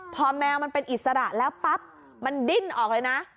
พอแมวมันเป็นอิสระแล้วปั๊บมันดิ้นออกเลยนะ